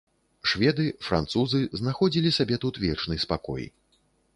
Шведы, французы знаходзілі сабе тут вечны спакой.